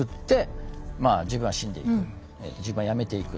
自分はやめていく。